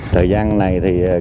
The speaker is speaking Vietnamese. thời gian này thì